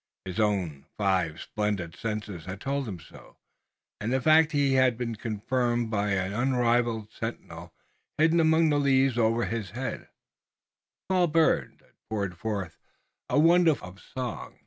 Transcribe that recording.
His own five splendid senses had told him so, and the fact had been confirmed by an unrivaled sentinel hidden among the leaves over his head, a small bird that poured forth a wonderful volume of song.